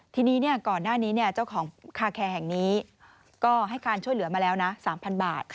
ทีนี้ก่อนหน้านี้เจ้าของคาแคร์แห่งนี้ก็ให้การช่วยเหลือมาแล้วนะ๓๐๐บาท